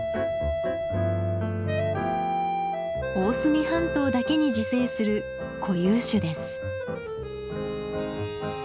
大隅半島だけに自生する固有種です。